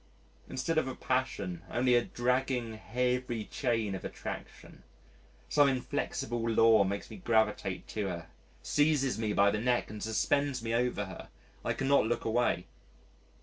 Instead of a passion, only a dragging heavy chain of attraction ... some inflexible law makes me gravitate to her, seizes me by the neck and suspends me over her, I cannot look away....